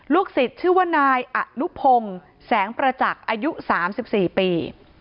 สิทธิ์ชื่อว่านายอนุพงศ์แสงประจักษ์อายุ๓๔ปี